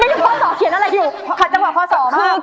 ไม่รู้พ่อสอเขียนอะไรอยู่